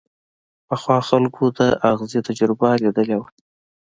پخوا خلکو د ازغي تجربه ليدلې وه.